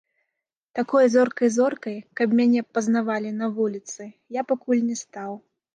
Такой зоркай-зоркай, каб мяне пазнавалі на вуліцы, я пакуль не стаў.